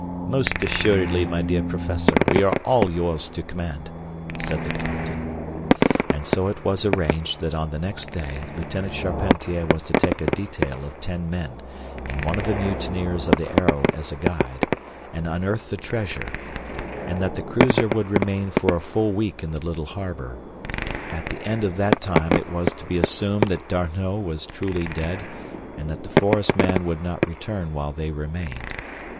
"Most assuredly, my dear Professor, we are all yours to command," said the captain. And so it was arranged that on the next day Lieutenant Charpentier was to take a detail of ten men, and one of the mutineers of the Arrow as a guide, and unearth the treasure; and that the cruiser would remain for a full week in the little harbor. At the end of that time it was to be assumed that D'Arnot was truly dead, and that the forest man would not return while they remained.